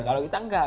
kalau kita enggak